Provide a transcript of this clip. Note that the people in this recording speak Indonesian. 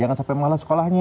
jangan sampai malah sekolahnya